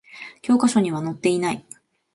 教科書には載っていない